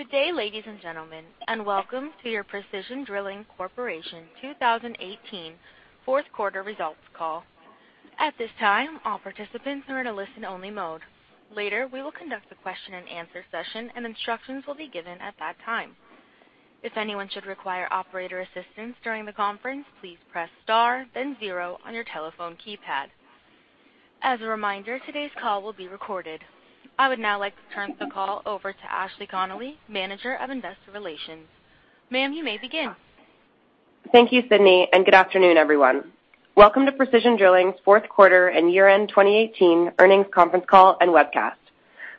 Good day, ladies and gentlemen, and welcome to your Precision Drilling Corporation 2018 Fourth Quarter Results Call. At this time, all participants are in a listen-only mode. Later, we will conduct a question and answer session and instructions will be given at that time. If anyone should require operator assistance during the conference, please press star then zero on your telephone keypad. As a reminder, today's call will be recorded. I would now like to turn the call over to Ashley Connolly, Manager of Investor Relations. Ma'am, you may begin. Thank you, Sydney. Good afternoon, everyone. Welcome to Precision Drilling's fourth quarter and year-end 2018 earnings conference call and webcast.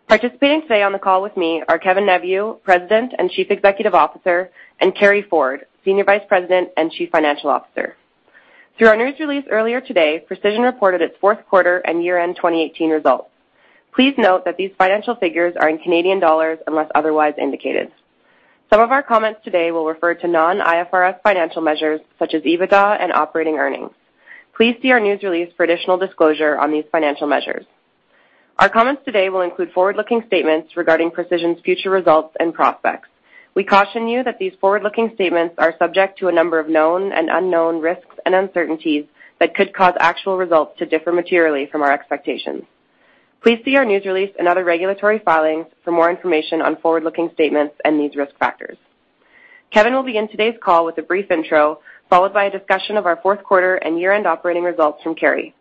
Participating today on the call with me are Kevin Neveu, President and Chief Executive Officer, and Carey Ford, Senior Vice President and Chief Financial Officer. Through our news release earlier today, Precision reported its fourth quarter and year-end 2018 results. Please note that these financial figures are in Canadian dollars unless otherwise indicated. Some of our comments today will refer to non-IFRS financial measures such as EBITDA and operating earnings. Please see our news release for additional disclosure on these financial measures. Our comments today will include forward-looking statements regarding Precision's future results and prospects. We caution you that these forward-looking statements are subject to a number of known and unknown risks and uncertainties that could cause actual results to differ materially from our expectations. Please see our news release and other regulatory filings for more information on forward-looking statements and these risk factors. Kevin will begin today's call with a brief intro, followed by a discussion of our fourth quarter and year-end operating results from Carey.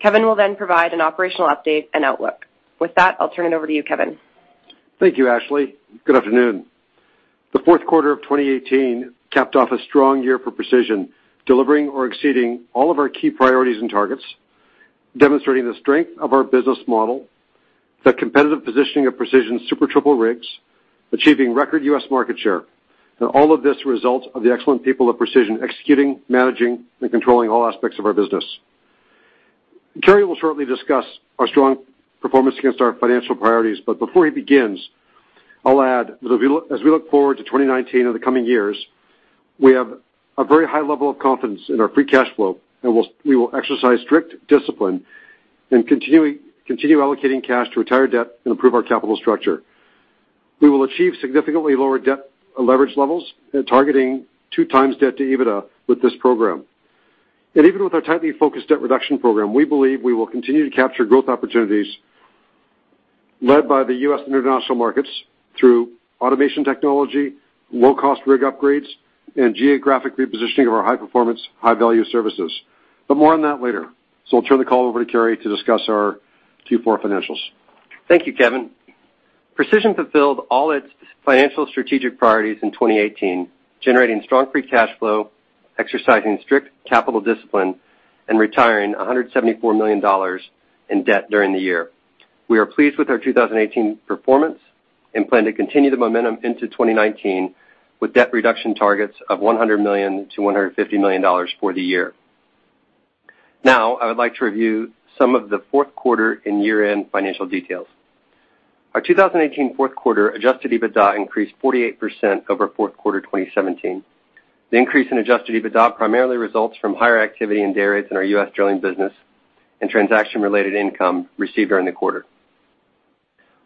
Kevin will provide an operational update and outlook. With that, I'll turn it over to you, Kevin. Thank you, Ashley. Good afternoon. The fourth quarter of 2018 capped off a strong year for Precision, delivering or exceeding all of our key priorities and targets, demonstrating the strength of our business model, the competitive positioning of Precision's Super Triple rigs, achieving record U.S. market share, all of this results of the excellent people at Precision executing, managing, and controlling all aspects of our business. Carey will shortly discuss our strong performance against our financial priorities, before he begins, I'll add, as we look forward to 2019 or the coming years, we have a very high level of confidence in our free cash flow, we will exercise strict discipline and continue allocating cash to retire debt and improve our capital structure. We will achieve significantly lower debt leverage levels targeting two times debt-to-EBITDA with this program. Even with our tightly focused debt reduction program, we believe we will continue to capture growth opportunities led by the U.S. and international markets through automation technology, low-cost rig upgrades, and geographic repositioning of our high-performance, high-value services. More on that later. I'll turn the call over to Carey to discuss our Q4 financials. Thank you, Kevin. Precision fulfilled all its financial strategic priorities in 2018, generating strong free cash flow, exercising strict capital discipline, and retiring 174 million dollars in debt during the year. We are pleased with our 2018 performance and plan to continue the momentum into 2019 with debt reduction targets of 100 million-150 million dollars for the year. I would like to review some of the fourth quarter and year-end financial details. Our 2018 fourth quarter adjusted EBITDA increased 48% over fourth quarter 2017. The increase in adjusted EBITDA primarily results from higher activity in dayrates in our U.S. drilling business and transaction-related income received during the quarter.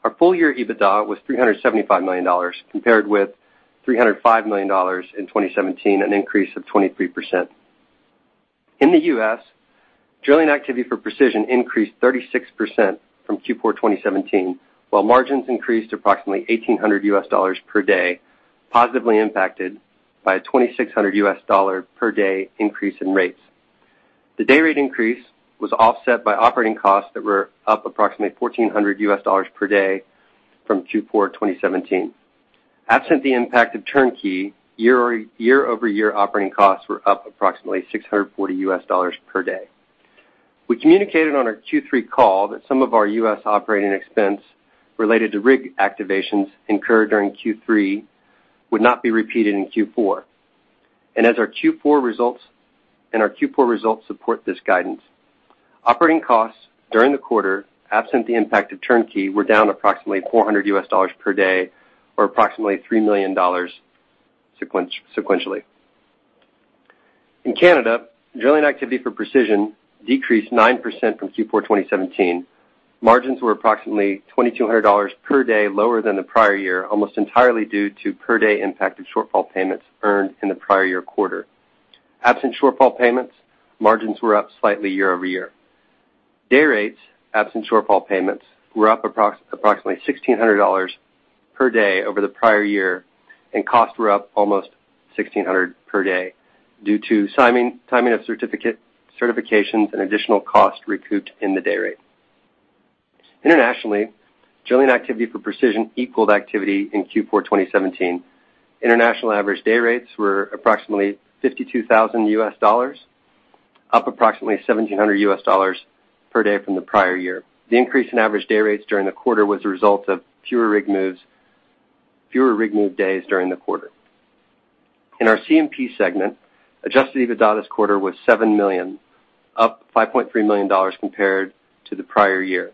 Our full-year EBITDA was 375 million dollars, compared with 305 million dollars in 2017, an increase of 23%. In the U.S., drilling activity for Precision increased 36% from Q4 2017, while margins increased approximately $1,800 per day, positively impacted by a $2,600 per day increase in dayrates. The dayrate increase was offset by operating costs that were up approximately $1,400 per day from Q4 2017. Absent the impact of turnkey, year-over-year operating costs were up approximately $640 per day. We communicated on our Q3 call that some of our U.S. operating expense related to rig activations incurred during Q3 would not be repeated in Q4, and our Q4 results support this guidance. Operating costs during the quarter, absent the impact of turnkey, were down approximately $400 per day or approximately 3 million dollars sequentially. In Canada, drilling activity for Precision decreased 9% from Q4 2017. Margins were approximately 2,200 dollars per day lower than the prior year, almost entirely due to per-day impact of shortfall payments earned in the prior year quarter. Absent shortfall payments, margins were up slightly year-over-year. Dayrates, absent shortfall payments, were up approximately 1,600 dollars per day over the prior year, and costs were up almost 1,600 per day due to timing of certifications and additional cost recouped in the dayrate. Internationally, drilling activity for Precision equaled activity in Q4 2017. International average dayrates were approximately $52,000, up approximately $1,700 per day from the prior year. The increase in average dayrates during the quarter was a result of fewer rig move days during the quarter. In our C&P segment, adjusted EBITDA this quarter was 7 million, up 5.3 million dollars compared to the prior year.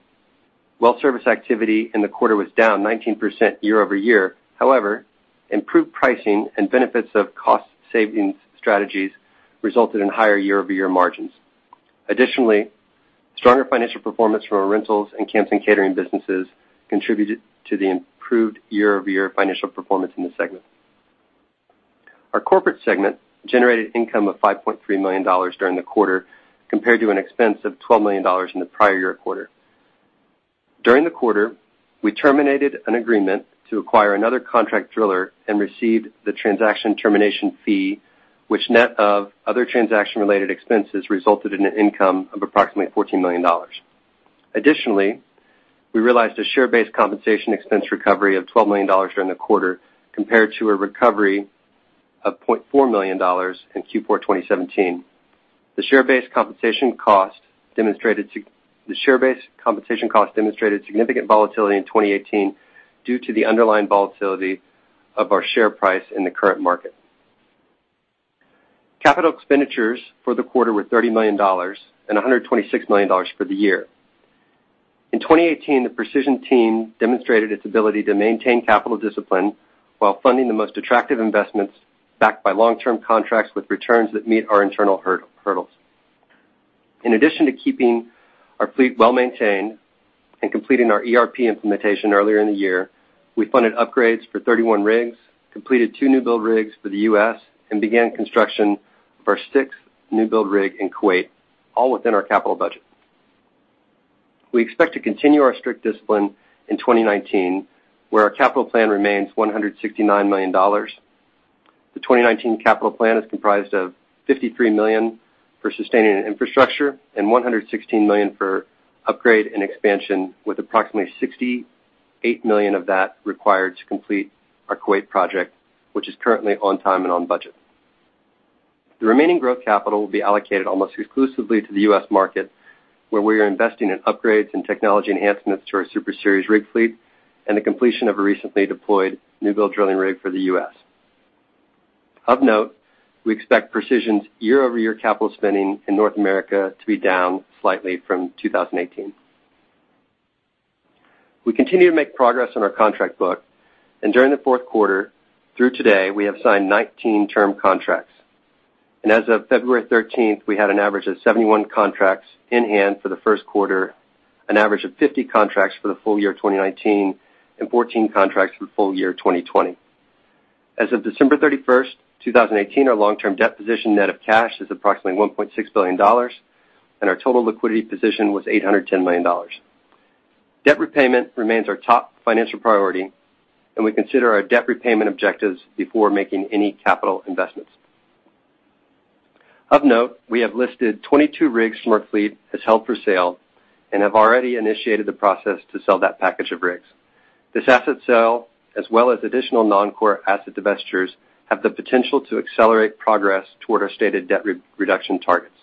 Well services activity in the quarter was down 19% year-over-year. However, improved pricing and benefits of cost savings strategies resulted in higher year-over-year margins. Additionally Stronger financial performance from our rentals and camps and catering businesses contributed to the improved year-over-year financial performance in this segment. Our corporate segment generated income of 5.3 million dollars during the quarter, compared to an expense of 12 million dollars in the prior year quarter. During the quarter, we terminated an agreement to acquire another contract driller and received the transaction termination fee, which net of other transaction-related expenses, resulted in an income of approximately 14 million dollars. Additionally, we realized a share-based compensation expense recovery of 12 million dollars during the quarter, compared to a recovery of 0.4 million dollars in Q4 2017. The share-based compensation cost demonstrated significant volatility in 2018 due to the underlying volatility of our share price in the current market. Capital expenditures for the quarter were 30 million dollars and 126 million dollars for the year. In 2018, the Precision team demonstrated its ability to maintain capital discipline while funding the most attractive investments backed by long-term contracts with returns that meet our internal hurdles. In addition to keeping our fleet well-maintained and completing our ERP implementation earlier in the year, we funded upgrades for 31 rigs, completed two new build rigs for the U.S., and began construction of our sixth new build rig in Kuwait, all within our capital budget. We expect to continue our strict discipline in 2019, where our capital plan remains 169 million dollars. The 2019 capital plan is comprised of 53 million for sustaining infrastructure and 116 million for upgrade and expansion, with approximately 68 million of that required to complete our Kuwait project, which is currently on time and on budget. The remaining growth capital will be allocated almost exclusively to the U.S. market, where we are investing in upgrades and technology enhancements to our Super Series rig fleet and the completion of a recently deployed new build drilling rig for the U.S. Of note, we expect Precision's year-over-year capital spending in North America to be down slightly from 2018. During the fourth quarter through today, we have signed 19 term contracts. As of February 13th, we had an average of 71 contracts in hand for the first quarter, an average of 50 contracts for the full year 2019, and 14 contracts for full year 2020. As of December 31st, 2018, our long-term debt position net of cash is approximately 1.6 billion dollars, and our total liquidity position was 810 million dollars. Debt repayment remains our top financial priority, and we consider our debt repayment objectives before making any capital investments. Of note, we have listed 22 rigs from our fleet as held for sale and have already initiated the process to sell that package of rigs. This asset sale, as well as additional non-core asset divestitures, have the potential to accelerate progress toward our stated debt reduction targets.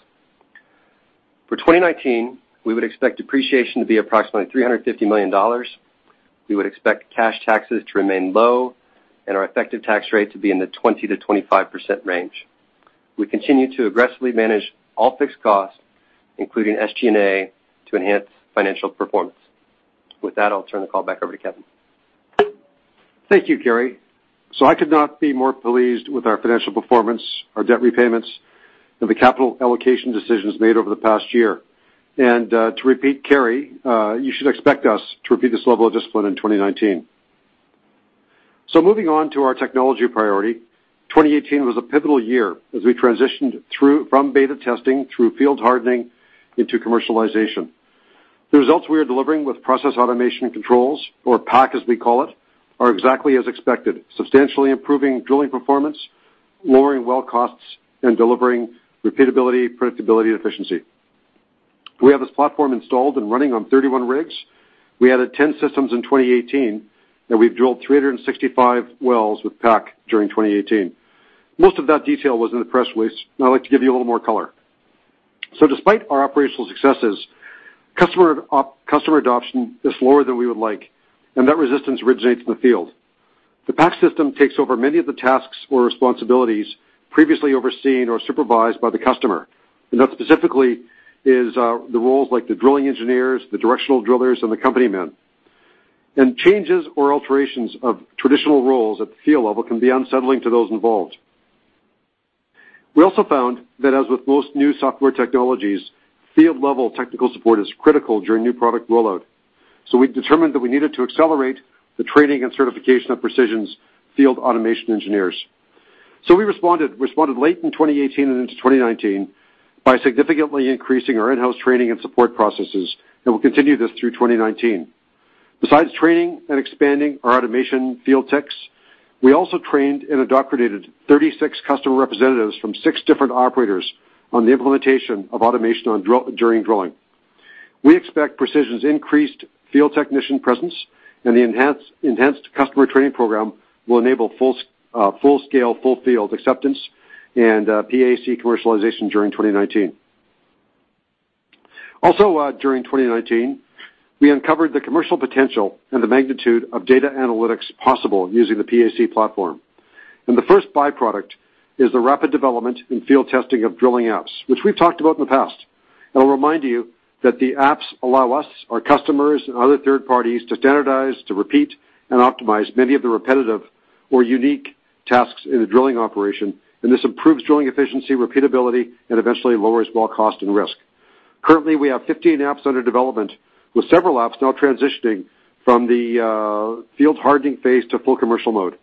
For 2019, we would expect depreciation to be approximately 350 million dollars. We would expect cash taxes to remain low and our effective tax rate to be in the 20%-25% range. We continue to aggressively manage all fixed costs, including SG&A, to enhance financial performance. With that, I'll turn the call back over to Kevin. Thank you, Carey. I could not be more pleased with our financial performance, our debt repayments, and the capital allocation decisions made over the past year. To repeat Carey, you should expect us to repeat this level of discipline in 2019. Moving on to our technology priority, 2018 was a pivotal year as we transitioned from beta testing through field hardening into commercialization. The results we are delivering with process automation controls, or PAC as we call it, are exactly as expected, substantially improving drilling performance, lowering well costs, and delivering repeatability, predictability, and efficiency. We have this platform installed and running on 31 rigs. We added 10 systems in 2018, and we've drilled 365 wells with PAC during 2018. Most of that detail was in the press release, and I'd like to give you a little more color. Despite our operational successes, customer adoption is lower than we would like, and that resistance originates in the field. The PAC system takes over many of the tasks or responsibilities previously overseen or supervised by the customer, and that specifically is the roles like the drilling engineers, the directional drillers, and the company men. Changes or alterations of traditional roles at the field level can be unsettling to those involved. We also found that as with most new software technologies, field level technical support is critical during new product rollout. We determined that we needed to accelerate the training and certification of Precision's field automation engineers. We responded late in 2018 and into 2019 by significantly increasing our in-house training and support processes, and we'll continue this through 2019. Besides training and expanding our automation field techs, we also trained and indoctrinated 36 customer representatives from six different operators on the implementation of automation during drilling. We expect Precision's increased field technician presence and the enhanced customer training program will enable full scale, full field acceptance and PAC commercialization during 2019. Also during 2019, we uncovered the commercial potential and the magnitude of data analytics possible using the PAC platform. The first byproduct is the rapid development and field testing of drilling apps, which we've talked about in the past. I'll remind you that the apps allow us, our customers, and other third parties to standardize, to repeat, and optimize many of the repetitive or unique tasks in the drilling operation, and this improves drilling efficiency, repeatability, and eventually lowers well cost and risk. Currently, we have 15 apps under development, with several apps now transitioning from the field hardening phase to full commercial mode.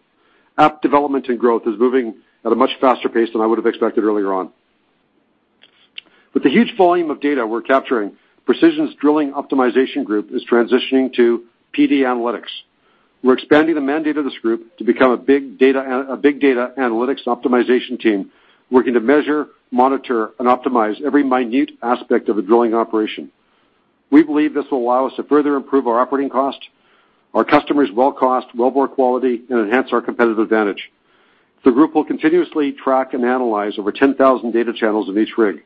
App development and growth is moving at a much faster pace than I would have expected earlier on. With the huge volume of data we're capturing, Precision's drilling optimization group is transitioning to PD-Analytics. We're expanding the mandate of this group to become a big data analytics optimization team working to measure, monitor, and optimize every minute aspect of a drilling operation. We believe this will allow us to further improve our operating cost, our customers' well cost, well bore quality, and enhance our competitive advantage. The group will continuously track and analyze over 10,000 data channels in each rig.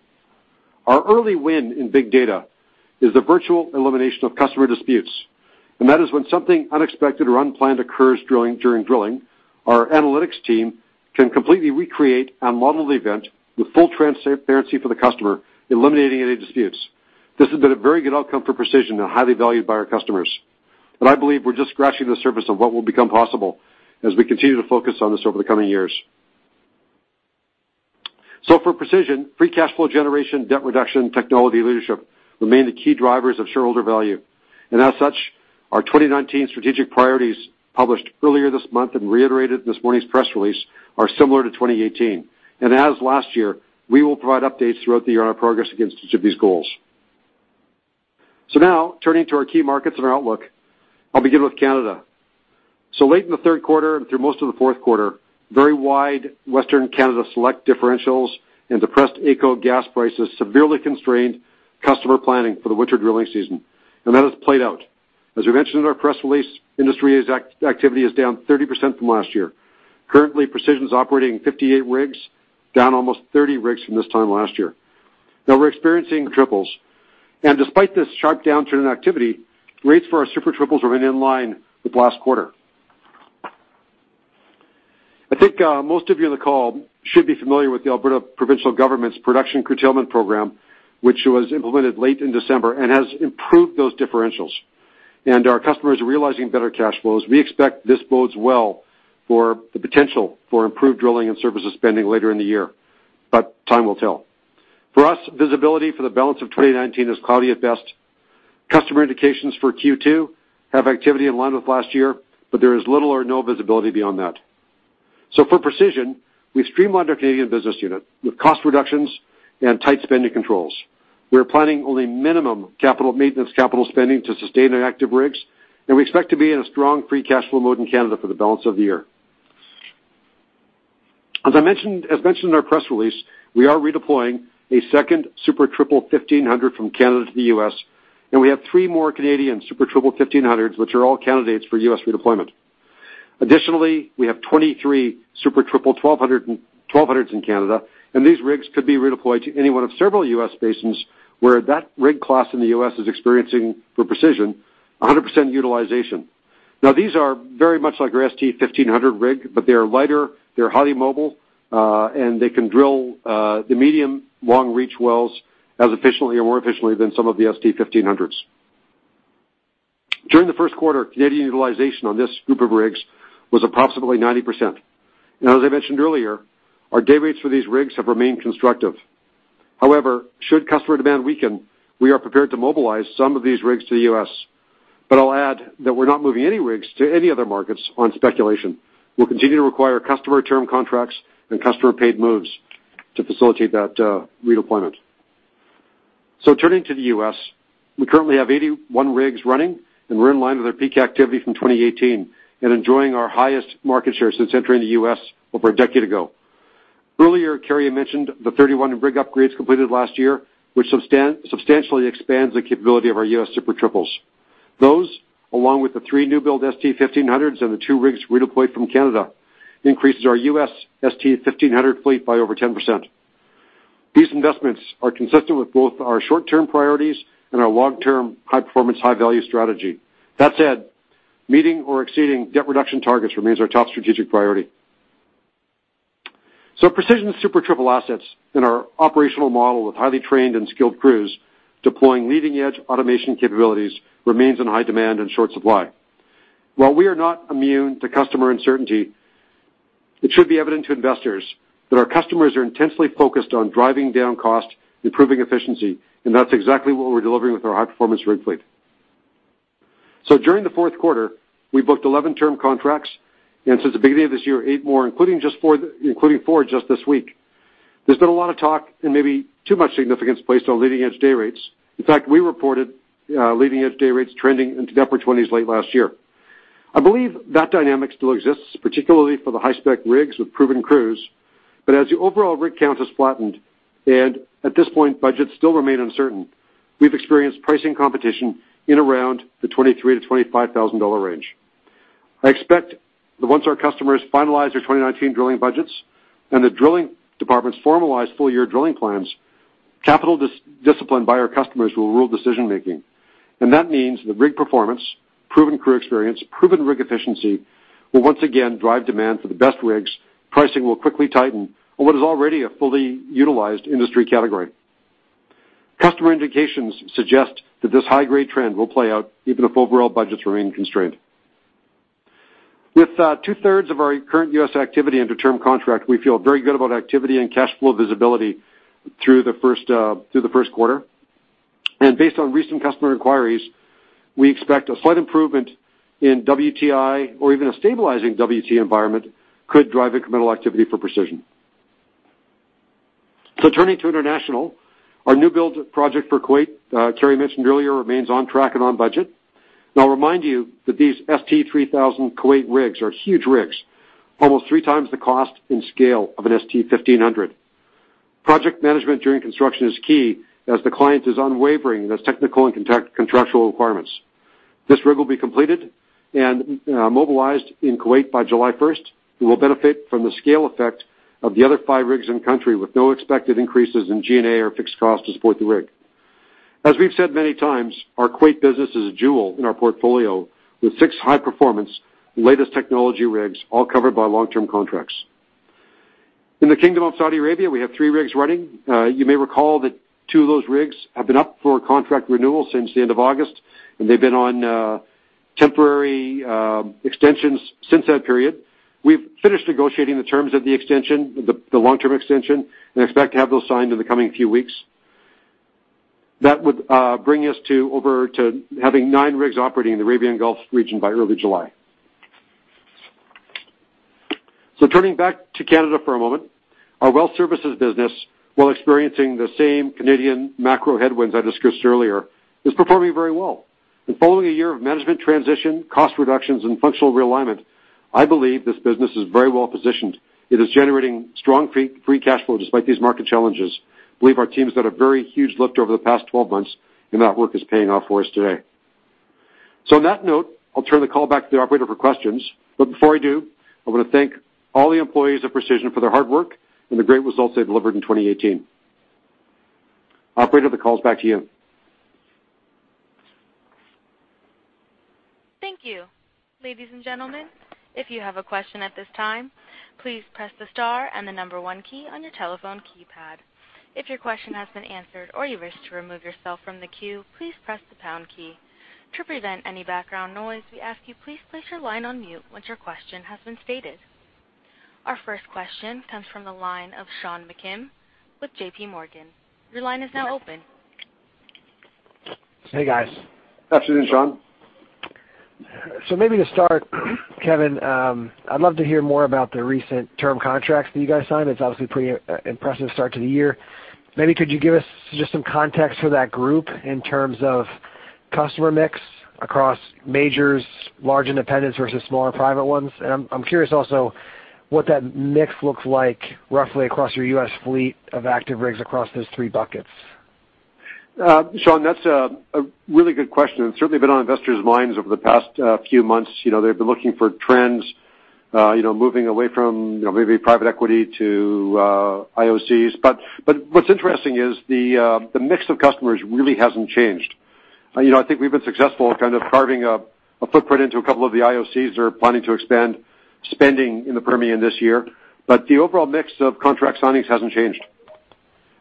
Our early win in big data is the virtual elimination of customer disputes, and that is when something unexpected or unplanned occurs during drilling, our analytics team can completely recreate and model the event with full transparency for the customer, eliminating any disputes. This has been a very good outcome for Precision and highly valued by our customers. I believe we're just scratching the surface of what will become possible as we continue to focus on this over the coming years. For Precision, free cash flow generation, debt reduction, technology leadership remain the key drivers of shareholder value. As such, our 2019 strategic priorities, published earlier this month and reiterated in this morning's press release, are similar to 2018. As last year, we will provide updates throughout the year on our progress against each of these goals. Now turning to our key markets and our outlook. I'll begin with Canada. Late in the third quarter and through most of the fourth quarter, very wide Western Canadian Select differentials and depressed AECO gas prices severely constrained customer planning for the winter drilling season, and that has played out. As we mentioned in our press release, industry activity is down 30% from last year. Currently, Precision's operating 58 rigs, down almost 30 rigs from this time last year. Now we're experiencing triples, and despite this sharp downturn in activity, rates for our Super Triples remain in line with last quarter. I think most of you on the call should be familiar with the Alberta provincial government's production curtailment program, which was implemented late in December and has improved those differentials. Our customers are realizing better cash flows. We expect this bodes well for the potential for improved drilling and services spending later in the year, but time will tell. For us, visibility for the balance of 2019 is cloudy at best. Customer indications for Q2 have activity in line with last year, but there is little or no visibility beyond that. For Precision, we've streamlined our Canadian business unit with cost reductions and tight spending controls. We are planning only minimum maintenance capital spending to sustain our active rigs, and we expect to be in a strong free cash flow mode in Canada for the balance of the year. As mentioned in our press release, we are redeploying a second Super Triple 1500 from Canada to the U.S., and we have three more Canadian Super Triple 1500s, which are all candidates for U.S. redeployment. Additionally, we have 23 Super Triple 1200s in Canada, and these rigs could be redeployed to any one of several U.S. basins where that rig class in the U.S. is experiencing, for Precision, 100% utilization. Now, these are very much like our ST-1500 rig, but they are lighter, they're highly mobile, and they can drill the medium long-reach wells as efficiently or more efficiently than some of the ST-1500s. During the first quarter, Canadian utilization on this group of rigs was approximately 90%. Now, as I mentioned earlier, our dayrates for these rigs have remained constructive. However, should customer demand weaken, we are prepared to mobilize some of these rigs to the U.S. I'll add that we're not moving any rigs to any other markets on speculation. We'll continue to require customer term contracts and customer paid moves to facilitate that redeployment. Turning to the U.S. We currently have 81 rigs running, and we're in line with our peak activity from 2018 and enjoying our highest market share since entering the U.S. over a decade ago. Earlier, Carey mentioned the 31 rig upgrades completed last year, which substantially expands the capability of our U.S. Super Triples. Those, along with the three new build ST-1500s and the two rigs redeployed from Canada, increases our U.S. ST-1500 fleet by over 10%. These investments are consistent with both our short-term priorities and our long-term high-performance, high-value strategy. That said, meeting or exceeding debt reduction targets remains our top strategic priority. Precision's Super Triple assets and our operational model with highly trained and skilled crews deploying leading-edge automation capabilities remains in high demand and short supply. While we are not immune to customer uncertainty, it should be evident to investors that our customers are intensely focused on driving down cost, improving efficiency, and that's exactly what we're delivering with our high-performance rig fleet. During the fourth quarter, we booked 11 term contracts, and since the beginning of this year, eight more, including four just this week. There's been a lot of talk and maybe too much significance placed on leading-edge dayrates. In fact, we reported leading-edge dayrates trending into the upper 20s late last year. I believe that dynamic still exists, particularly for the high-spec rigs with proven crews. As the overall rig count has flattened, and at this point, budgets still remain uncertain, we've experienced pricing competition in around the 23,000-25,000 dollar range. I expect that once our customers finalize their 2019 drilling budgets and the drilling departments formalize full-year drilling plans, capital discipline by our customers will rule decision-making. That means the rig performance, proven crew experience, proven rig efficiency will once again drive demand for the best rigs, pricing will quickly tighten on what is already a fully utilized industry category. Customer indications suggest that this high-grade trend will play out even if overall budgets remain constrained. With two-thirds of our current U.S. activity under term contract, we feel very good about activity and cash flow visibility through the first quarter. Based on recent customer inquiries, we expect a slight improvement in WTI or even a stabilizing WTI environment could drive incremental activity for Precision. Turning to international, our new build project for Kuwait, Carey mentioned earlier, remains on track and on budget. I'll remind you that these ST3000 Kuwait rigs are huge rigs, almost three times the cost and scale of an ST-1500. Project management during construction is key as the client is unwavering in its technical and contractual requirements. This rig will be completed and mobilized in Kuwait by July 1st. It will benefit from the scale effect of the other five rigs in the country with no expected increases in G&A or fixed cost to support the rig. As we've said many times, our Kuwait business is a jewel in our portfolio with six high-performance, latest technology rigs all covered by long-term contracts. In the Kingdom of Saudi Arabia, we have three rigs running. You may recall that two of those rigs have been up for contract renewal since the end of August, and they've been on temporary extensions since that period. We've finished negotiating the terms of the extension, the long-term extension, and expect to have those signed in the coming few weeks. That would bring us to over to having nine rigs operating in the Arabian Gulf region by early July. Turning back to Canada for a moment, our well services business, while experiencing the same Canadian macro headwinds I discussed earlier, is performing very well. Following a year of management transition, cost reductions, and functional realignment, I believe this business is very well positioned. It is generating strong free cash flow despite these market challenges. Believe our team's done a very huge lift over the past 12 months, and that work is paying off for us today. On that note, I'll turn the call back to the operator for questions. Before I do, I want to thank all the employees of Precision for their hard work and the great results they delivered in 2018. Operator, the call's back to you. Thank you. Ladies and gentlemen, if you have a question at this time, please press the star and the number one key on your telephone keypad. If your question has been answered or you wish to remove yourself from the queue, please press the pound key. To prevent any background noise, we ask you please place your line on mute once your question has been stated. Our first question comes from the line of Sean Meakim with JPMorgan. Your line is now open. Hey, guys. Afternoon, Sean. Maybe to start, Kevin, I'd love to hear more about the recent term contracts that you guys signed. It's obviously a pretty impressive start to the year. Maybe could you give us just some context for that group in terms of customer mix across majors, large independents versus smaller private ones? I'm curious also what that mix looks like roughly across your U.S. fleet of active rigs across those three buckets. Sean, that's a really good question. It's certainly been on investors' minds over the past few months. They've been looking for trends, moving away from maybe private equity to IOCs. What's interesting is the mix of customers really hasn't changed. I think we've been successful kind of carving a footprint into a couple of the IOCs that are planning to expand spending in the Permian this year. The overall mix of contract signings hasn't changed.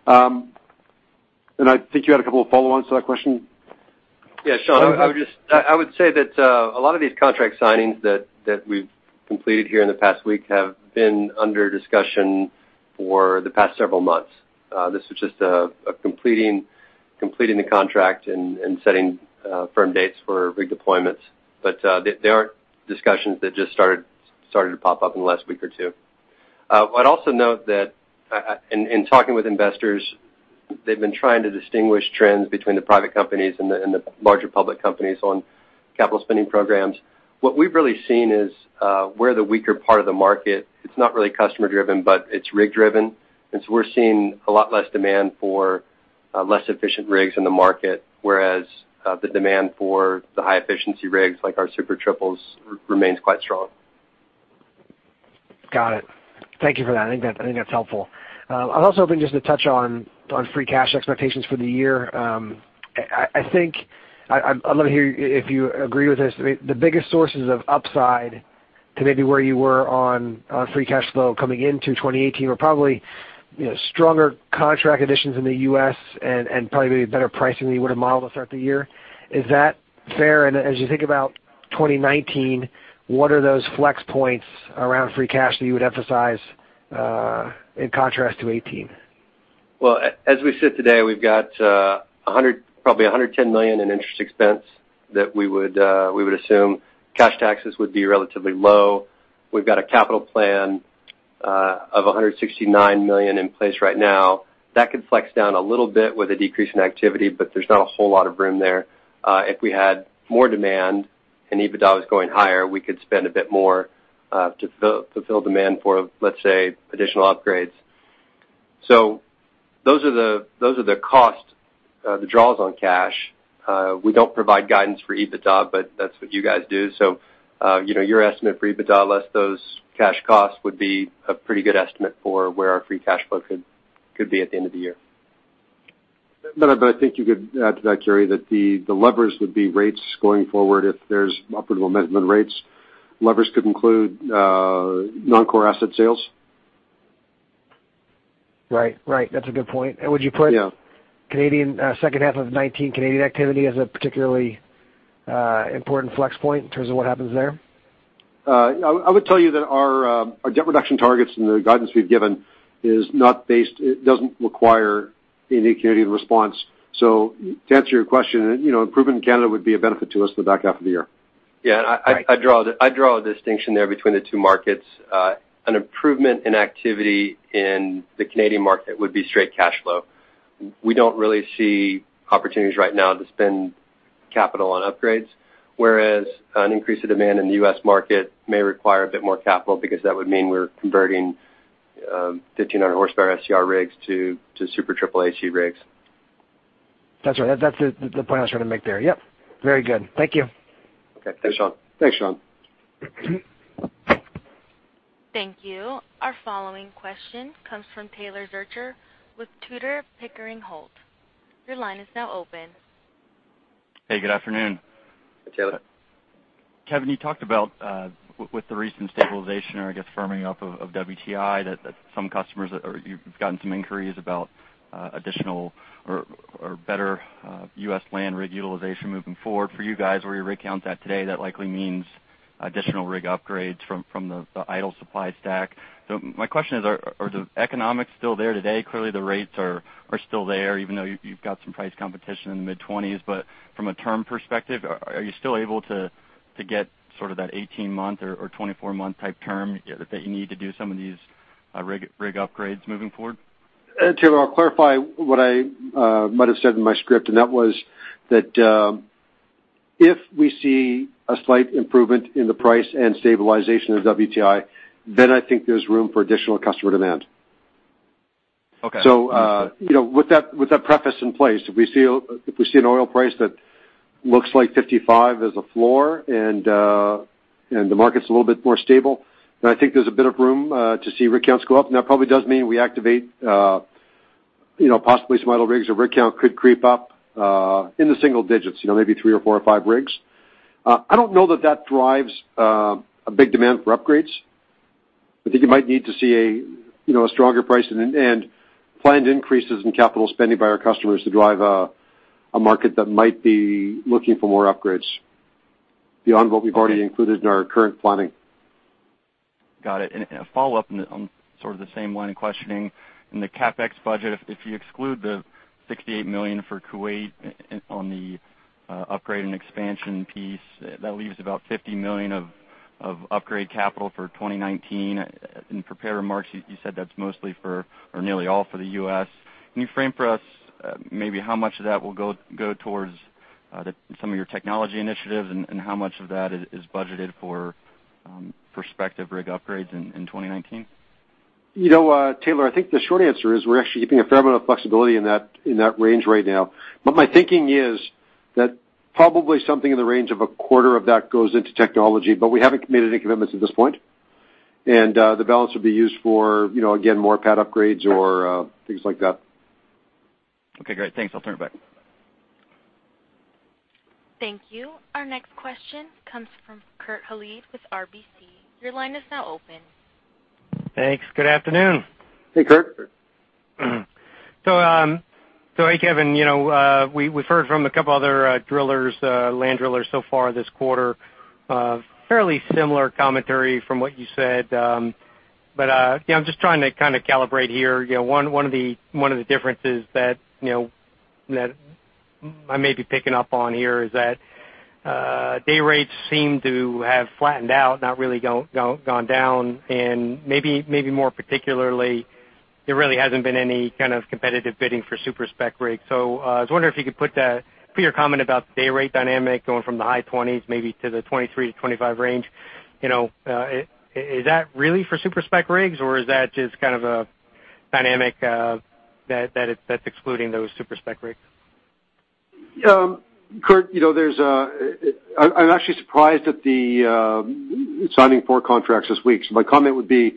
I think you had a couple of follow-ons to that question. Yeah, Sean, I would say that a lot of these contract signings that we've completed here in the past week have been under discussion for the past several months. This is just completing the contract and setting firm dates for rig deployments. They aren't discussions that just started to pop up in the last week or two. I'd also note that in talking with investors, they've been trying to distinguish trends between the private companies and the larger public companies on capital spending programs. What we've really seen is where the weaker part of the market, it's not really customer driven, but it's rig driven. We're seeing a lot less demand for less efficient rigs in the market, whereas the demand for the high-efficiency rigs like our Super Triple remains quite strong. Got it. Thank you for that. I think that's helpful. I was hoping just to touch on free cash expectations for the year. I'd love to hear if you agree with this. The biggest sources of upside to maybe where you were on free cash flow coming into 2018 were probably stronger contract additions in the U.S. and probably better pricing than you would have modeled at the start of the year. Is that fair? As you think about 2019, what are those flex points around free cash that you would emphasize, in contrast to 2018? Well, as we sit today, we've got probably 110 million in interest expense that we would assume. Cash taxes would be relatively low. We've got a capital plan of 169 million in place right now. That could flex down a little bit with a decrease in activity, but there's not a whole lot of room there. If we had more demand and EBITDA was going higher, we could spend a bit more to fulfill demand for, let's say, additional upgrades. Those are the cost, the draws on cash. We don't provide guidance for EBITDA, but that's what you guys do. Your estimate for EBITDA less those cash costs would be a pretty good estimate for where our free cash flow could be at the end of the year. I think you could add to that, Carey, that the levers would be rates going forward if there's upward momentum in rates. Levers could include non-core asset sales. Right. That's a good point. Would you Yeah Canadian second half of 2019, Canadian activity as a particularly important flex point in terms of what happens there? I would tell you that our debt reduction targets and the guidance we've given doesn't require any Canadian response. To answer your question, improvement in Canada would be a benefit to us in the back half of the year. Yeah. I'd draw a distinction there between the two markets. An improvement in activity in the Canadian market would be straight cash flow. We don't really see opportunities right now to spend capital on upgrades, whereas an increase of demand in the U.S. market may require a bit more capital because that would mean we're converting 1,500 horsepower SCR rigs to Super Triple HE rigs. That's right. That's the point I was trying to make there. Yep. Very good. Thank you. Okay. Thanks, Sean. Thanks, Sean. Thank you. Our following question comes from Taylor Zurcher with Tudor, Pickering Holt. Your line is now open. Hey, good afternoon. Hey, Taylor. Kevin, you talked about, with the recent stabilization or I guess firming up of WTI, that some customers, or you've gotten some inquiries about additional or better U.S. land rig utilization moving forward for you guys where your rig count's at today, that likely means additional rig upgrades from the idle supply stack. My question is, are the economics still there today? Clearly the rates are still there, even though you've got some price competition in the mid-20s. From a term perspective, are you still able to get sort of that 18-month or 24-month type term that you need to do some of these rig upgrades moving forward? Taylor, I'll clarify what I might've said in my script, and that was that if we see a slight improvement in the price and stabilization of WTI, then I think there's room for additional customer demand. Okay. With that preface in place, if we see an oil price that looks like 55 as a floor and the market's a little bit more stable, I think there's a bit of room to see rig counts go up. Now, it probably does mean we activate possibly some idle rigs or rig count could creep up in the single digits, maybe three or four or five rigs. I don't know that drives a big demand for upgrades. I think you might need to see a stronger price and planned increases in capital spending by our customers to drive a market that might be looking for more upgrades beyond what we've already included in our current planning. Got it. A follow-up on sort of the same line of questioning. In the CapEx budget, if you exclude the 68 million for Kuwait on the upgrade and expansion piece, that leaves about 50 million of upgrade capital for 2019. In prepared remarks, you said that's mostly for, or nearly all for the U.S. Can you frame for us maybe how much of that will go towards some of your technology initiatives and how much of that is budgeted for prospective rig upgrades in 2019? Taylor, I think the short answer is we're actually keeping a fair amount of flexibility in that range right now. My thinking is that probably something in the range of a quarter of that goes into technology, but we haven't made any commitments at this point. The balance will be used for, again, more pad upgrades or things like that. Okay, great. Thanks. I'll turn it back. Thank you. Our next question comes from Kurt Hallead with RBC. Your line is now open. Thanks. Good afternoon. Hey, Kurt. Hey, Kevin. We've heard from a couple other land drillers so far this quarter. Fairly similar commentary from what you said. But I'm just trying to kind of calibrate here. One of the differences that I may be picking up on here is that dayrates seem to have flattened out, not really gone down, and maybe more particularly, there really hasn't been any kind of competitive bidding for super spec rigs. I was wondering if you could put your comment about the dayrate dynamic going from the high 20s maybe to the 23-25 range. Is that really for super spec rigs, or is that just kind of a dynamic that's excluding those super spec rigs? Kurt, I'm actually surprised at the signing four contracts this week. My comment would be,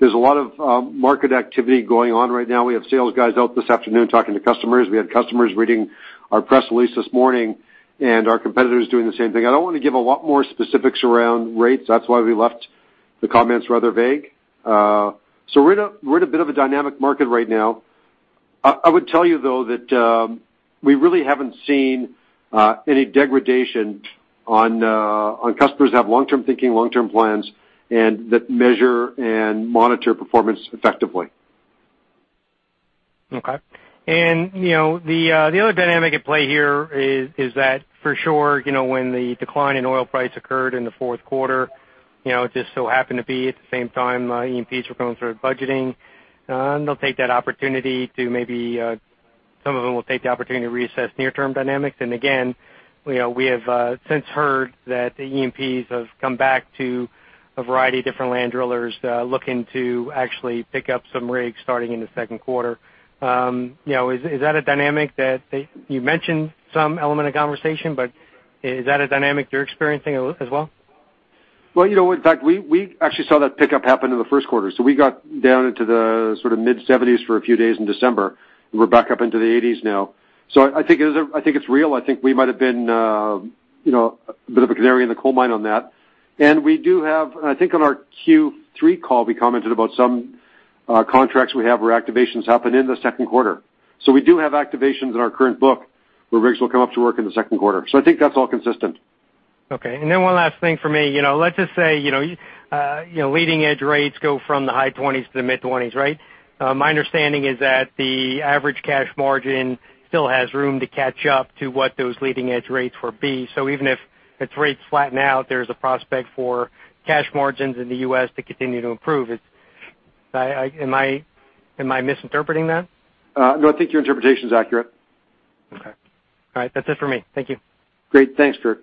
there's a lot of market activity going on right now. We have sales guys out this afternoon talking to customers. We had customers reading our press release this morning, and our competitors doing the same thing. I don't want to give a lot more specifics around rates. That's why we left the comments rather vague. We're in a bit of a dynamic market right now. I would tell you, though, that we really haven't seen any degradation on customers who have long-term thinking, long-term plans, and that measure and monitor performance effectively. Okay. The other dynamic at play here is that for sure when the decline in oil price occurred in the fourth quarter, it just so happened to be at the same time E&Ps were going through budgeting. They'll take that opportunity to some of them will take the opportunity to reassess near-term dynamics. Again, we have since heard that the E&Ps have come back to a variety of different land drillers looking to actually pick up some rigs starting in the second quarter. Is that a dynamic that you mentioned some element of conversation, but is that a dynamic you're experiencing as well? Well, in fact, we actually saw that pickup happen in the first quarter. We got down into the sort of mid-70s for a few days in December. We're back up into the 80s now. I think it's real. I think we might have been a bit of a canary in the coal mine on that. I think on our Q3 call, we commented about some contracts we have where activations happen in the second quarter. We do have activations in our current book where rigs will come up to work in the second quarter. I think that's all consistent. Okay, one last thing for me. Let's just say leading-edge rates go from the high 20s to the mid-20s, right? My understanding is that the average cash margin still has room to catch up to what those leading-edge rates were B. Even if its rates flatten out, there's a prospect for cash margins in the U.S. to continue to improve. Am I misinterpreting that? No, I think your interpretation is accurate. Okay. All right. That's it for me. Thank you. Great. Thanks, Kurt.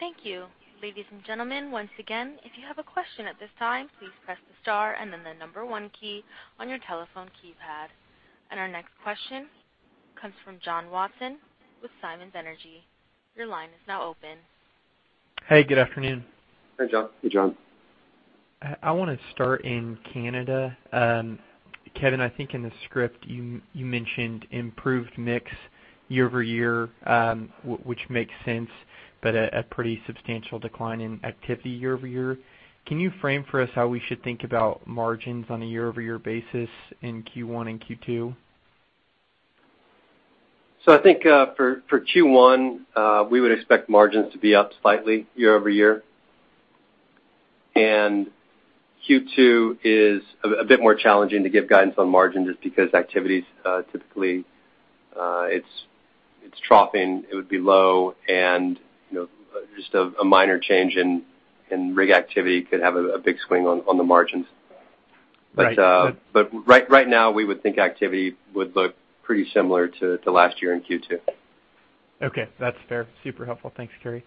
Thank you. Ladies and gentlemen, once again, if you have a question at this time, please press the star and then the number one key on your telephone keypad. Our next question comes from John Watson with Siemens Energy. Your line is now open. Hey, good afternoon. Hi, John. Hey, John. I want to start in Canada. Kevin, I think in the script you mentioned improved mix year-over-year, which makes sense, but a pretty substantial decline in activity year-over-year. Can you frame for us how we should think about margins on a year-over-year basis in Q1 and Q2? I think for Q1, we would expect margins to be up slightly year-over-year. Q2 is a bit more challenging to give guidance on margin just because activity is typically troughing, it would be low, and just a minor change in rig activity could have a big swing on the margins. Right. Right now we would think activity would look pretty similar to last year in Q2. Okay. That's fair. Super helpful. Thanks, Carey.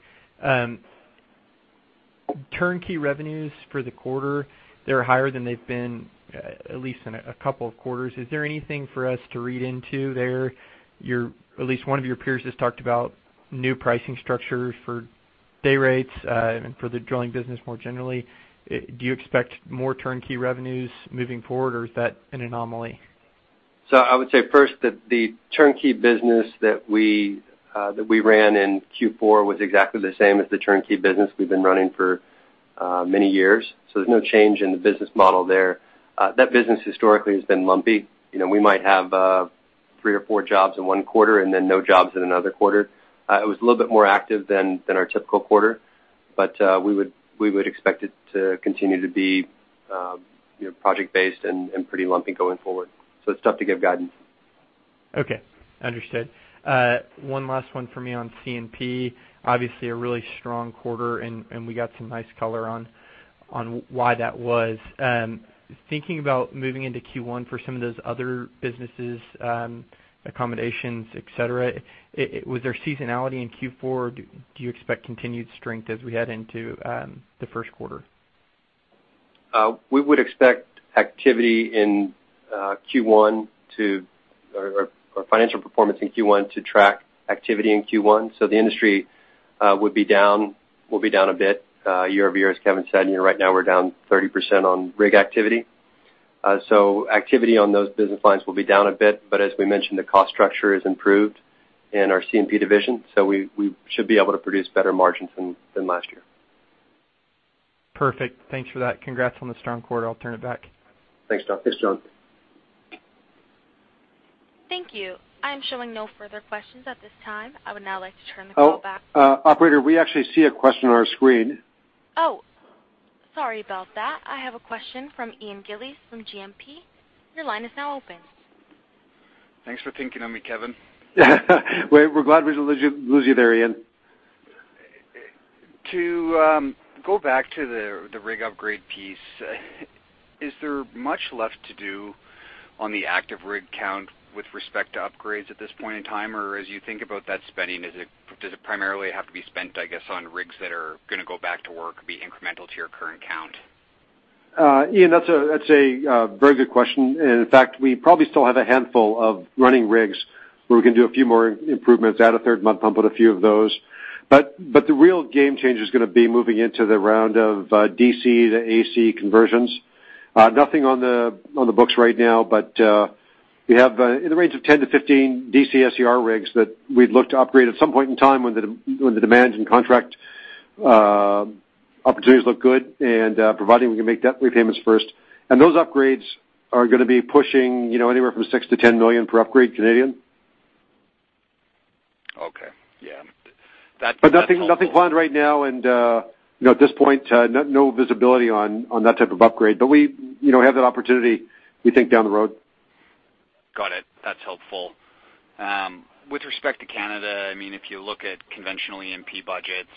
Turnkey revenues for the quarter, they're higher than they've been, at least in a couple of quarters. Is there anything for us to read into there? At least one of your peers has talked about new pricing structures for dayrates and for the drilling business more generally. Do you expect more turnkey revenues moving forward or is that an anomaly? I would say first that the turnkey business that we ran in Q4 was exactly the same as the turnkey business we've been running for many years. There's no change in the business model there. That business historically has been lumpy. We might have three or four jobs in one quarter and then no jobs in another quarter. It was a little bit more active than our typical quarter, but we would expect it to continue to be project-based and pretty lumpy going forward. It's tough to give guidance. Okay, understood. One last one for me on C&P, obviously a really strong quarter and we got some nice color on why that was. Thinking about moving into Q1 for some of those other businesses, accommodations, et cetera, was there seasonality in Q4? Do you expect continued strength as we head into the first quarter? We would expect our financial performance in Q1 to track activity in Q1. The industry will be down a bit year-over-year, as Kevin said. Right now we're down 30% on rig activity. Activity on those business lines will be down a bit, but as we mentioned, the cost structure is improved in our C&P division, so we should be able to produce better margins than last year. Perfect. Thanks for that. Congrats on the strong quarter. I'll turn it back. Thanks, John. Thank you. I am showing no further questions at this time. I would now like to turn the call. Oh, operator, we actually see a question on our screen. Oh, sorry about that. I have a question from Ian Gillies from GMP. Your line is now open. Thanks for thinking of me, Kevin Neveu. We're glad we didn't lose you there, Ian. To go back to the rig upgrade piece, is there much left to do on the active rig count with respect to upgrades at this point in time? As you think about that spending, does it primarily have to be spent, I guess, on rigs that are going to go back to work, be incremental to your current count? Ian, that's a very good question. In fact, we probably still have a handful of running rigs where we can do a few more improvements, add a third mud pump on a few of those. The real game changer's gonna be moving into the round of DC to AC conversions. Nothing on the books right now, we have in the range of 10-15 DC SCR rigs that we'd look to upgrade at some point in time when the demands and contract opportunities look good and providing we can make debt repayments first. Those upgrades are gonna be pushing anywhere from 6 million-10 million per upgrade. Okay. Yeah. That's helpful. Nothing planned right now and, at this point, no visibility on that type of upgrade, we have that opportunity we think down the road. Got it. That's helpful. With respect to Canada, if you look at conventional E&P budgets,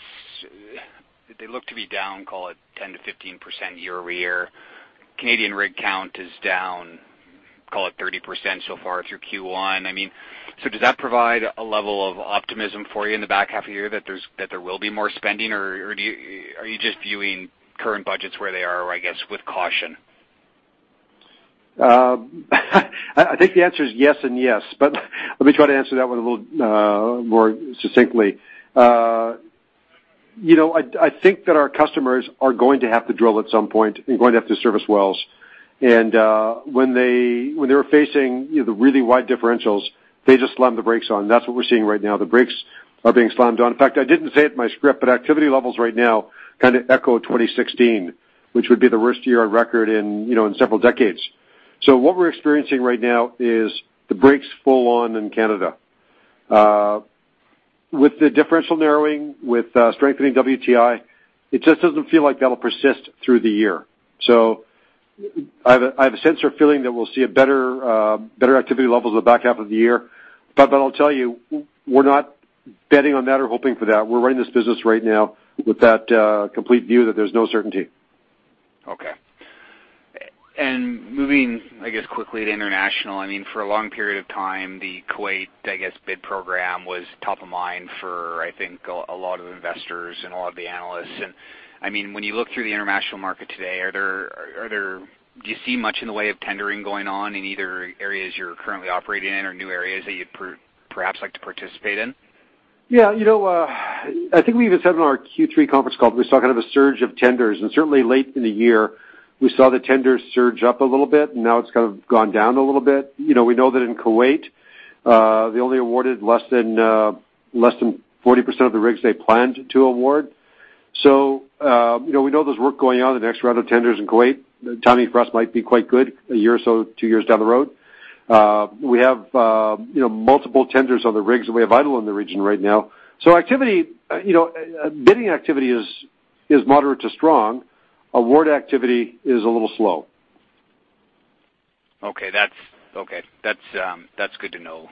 they look to be down, call it 10%-15% year-over-year. Canadian rig count is down, call it 30% so far through Q1. Does that provide a level of optimism for you in the back half of the year that there will be more spending, or are you just viewing current budgets where they are, I guess, with caution? I think the answer is yes and yes, let me try to answer that one a little more succinctly. I think that our customers are going to have to drill at some point and going to have to service wells. When they were facing the really wide differentials, they just slammed the brakes on. That's what we're seeing right now. The brakes are being slammed on. In fact, I didn't say it in my script, activity levels right now kind of echo 2016, which would be the worst year on record in several decades. What we're experiencing right now is the brakes full on in Canada. With the differential narrowing, with strengthening WTI, it just doesn't feel like that'll persist through the year. I have a sense or feeling that we'll see a better activity levels the back half of the year. I'll tell you, we're not betting on that or hoping for that. We're running this business right now with that complete view that there's no certainty. Moving, I guess, quickly to international. For a long period of time, the Kuwait, I guess, bid program was top of mind for, I think, a lot of investors and a lot of the analysts. When you look through the international market today, do you see much in the way of tendering going on in either areas you're currently operating in or new areas that you'd perhaps like to participate in? Yeah. I think we even said on our Q3 conference call that we saw kind of a surge of tenders, and certainly late in the year, we saw the tenders surge up a little bit, and now it's kind of gone down a little bit. We know that in Kuwait, they only awarded less than 40% of the rigs they planned to award. We know there's work going on in the next round of tenders in Kuwait. The timing for us might be quite good, a year or so, two years down the road. We have multiple tenders on the rigs that we have idle in the region right now. Bidding activity is moderate to strong. Award activity is a little slow. Okay. That's good to know.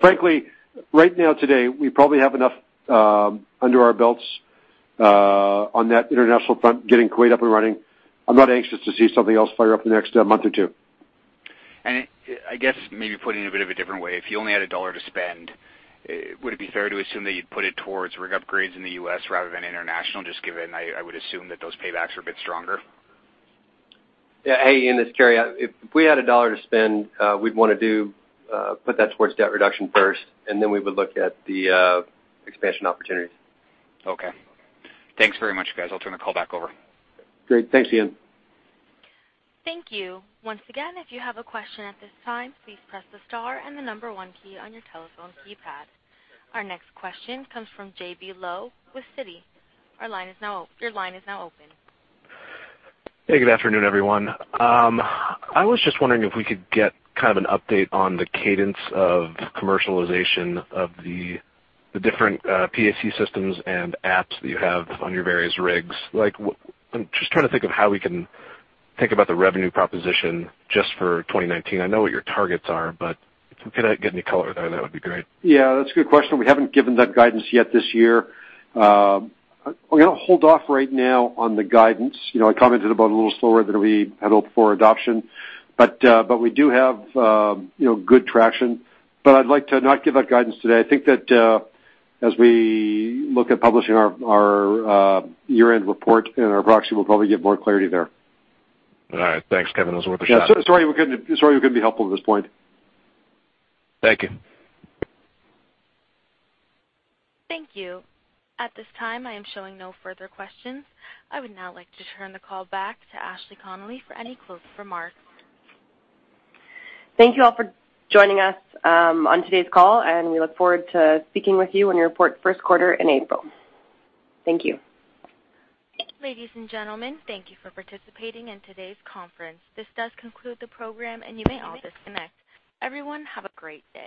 Frankly, right now, today, we probably have enough under our belts on that international front, getting Kuwait up and running. I'm not anxious to see something else fire up in the next month or two. I guess maybe put it in a bit of a different way. If you only had a dollar to spend, would it be fair to assume that you'd put it towards rig upgrades in the U.S. rather than international, just given, I would assume that those paybacks are a bit stronger? Yeah. Hey, Ian, it's Carey. If we had a dollar to spend, we'd want to put that towards debt reduction first, and then we would look at the expansion opportunities. Okay. Thanks very much, guys. I'll turn the call back over. Great. Thanks, Ian. Thank you. Once again, if you have a question at this time, please press the star and the number one key on your telephone keypad. Our next question comes from J.B. Lowe with Citi. Your line is now open. Hey, good afternoon, everyone. I was just wondering if we could get kind of an update on the cadence of commercialization of the different PAC systems and apps that you have on your various rigs. I'm just trying to think of how we can think about the revenue proposition just for 2019. I know what your targets are, but if we could get any color there, that would be great. Yeah, that's a good question. We haven't given that guidance yet this year. We're going to hold off right now on the guidance. I commented about a little slower than we had hoped for adoption, but we do have good traction. I'd like to not give that guidance today. I think that as we look at publishing our year-end report and our proxy, we'll probably give more clarity there. All right. Thanks, Kevin. That was worth a shot. Sorry we couldn't be helpful at this point. Thank you. Thank you. At this time, I am showing no further questions. I would now like to turn the call back to Ashley Connolly for any closing remarks. Thank you all for joining us on today's call. We look forward to speaking with you when we report first quarter in April. Thank you. Ladies and gentlemen, thank you for participating in today's conference. This does conclude the program, and you may all disconnect. Everyone, have a great day.